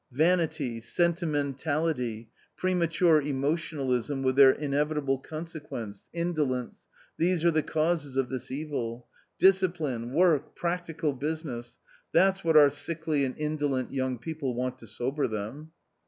"Vanity, sentimentality, premature emotionalism with their inevitable consequence — indolence — these are the causes of this evil. Discipline, work, practical business — that's what our sickly and indolent young people want to sober them."